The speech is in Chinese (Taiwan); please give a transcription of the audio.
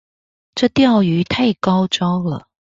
這釣魚太高招了